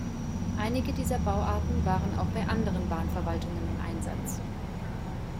Einige dieser Bauarten waren auch bei anderen Bahnverwaltungen im Einsatz.